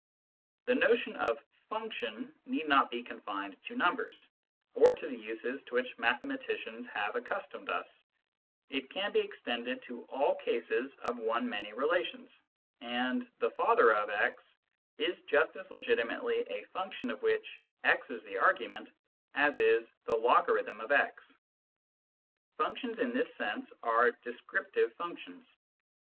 The notion of function need not be confined to numbers, or to the uses to which mathematicians have accustomed us ; it can be extended to all cases of one many relations, and " the father of x " is just as legitimately a function of which x is the argument as is " the logarithm of x." Functions in this sense are descriptive functions.